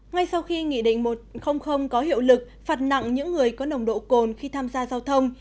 ngay sau khi nghị định một trăm linh có hiệu lực phạt nặng những người có nồng độ cồn khi tham gia giao thông